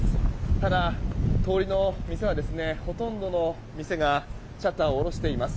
ただ、通りの店はほとんどの店がシャッターを下ろしています。